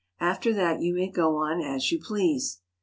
After that you may go on as you please.